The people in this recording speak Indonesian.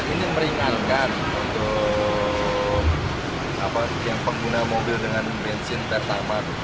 ini meringalkan untuk pengguna mobil dengan bensin pertama